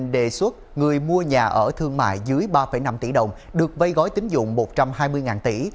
đề xuất người mua nhà ở thương mại dưới ba năm tỷ đồng được vây gói tính dụng một trăm hai mươi tỷ